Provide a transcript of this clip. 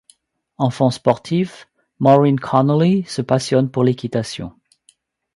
Enfant sportive, Maureen Connolly se passionne pour l'équitation.